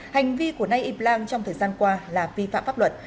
hành vi của nay yip lang trong thời gian qua là vi phạm pháp luật